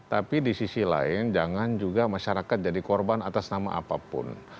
tapi di sisi lain jangan juga masyarakat jadi korban atas nama apapun